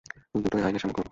দুটোই আইনের সামনে খুন।